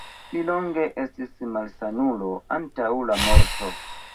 Li longe estis malsanulo antaŭ la morto.